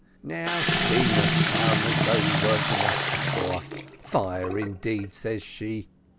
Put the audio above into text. "Now she must come, as though we weren't enough before! Fire, indeed, says she